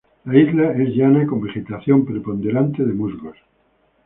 La isla es llana con vegetación preponderante de musgos.